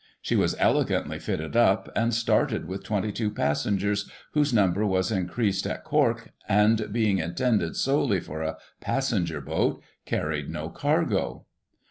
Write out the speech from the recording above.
She was elegantly fitted up, and started with 22 passengers, whose number was increased at Cork, and, being intended solely for a passenger boat, carried no cargo.